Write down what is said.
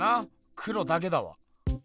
黒だけだわ。